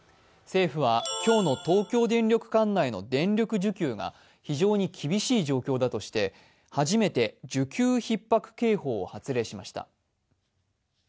政府は今日の東京電力管内の電力需給が非常に厳しい状況だとして初めて需給ひっ迫警報を発令しました。